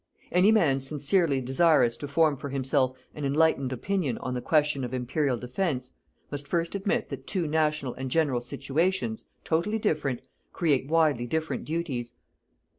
Any man sincerely desirous to form for himself an enlightened opinion on the question of Imperial defence, must first admit that two national and general situations, totally different, create widely different duties.